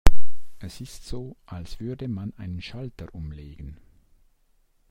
Es ist so, als würde man einen Schalter umlegen.